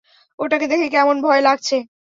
ওটাকে দেখে কেমন ভয় লাগছে!